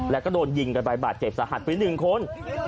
แล้วก็โดนยิงกันใบบาดเจ็บสะหัสเป็นหนึ่งคน